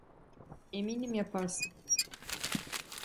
Eminim yaparsın.